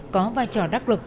có vai trò đắc lực